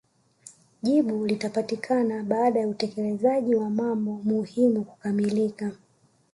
Jibu litapatikana baada ya utekelezaji wa mambo muhimu kukamilka